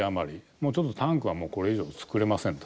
もうちょっと、タンクはこれ以上、作れませんと。